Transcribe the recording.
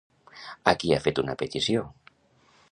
A qui ha fet una petició?